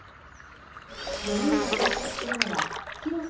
４人が生活するのは広さ